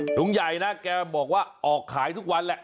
ลุงใหญ่นะแกบอกว่าออกขายทุกวันแหละ